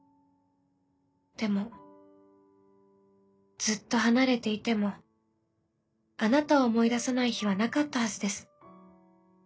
でもずっと離れていてもあなたを思い出さない日はなかったはずです。